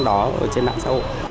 ở trên mạng xã hội